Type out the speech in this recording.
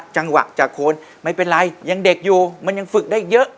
จังหวะจากคนไม่เป็นไรยังเด็กอยู่มันยังฝึกได้เยอะ